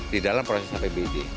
di dalam proses apbd